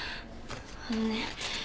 あのね。